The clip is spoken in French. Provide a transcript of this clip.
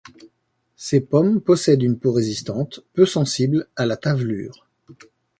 Ces pommes possèdent une peau résistante, peu sensible à la tavelure.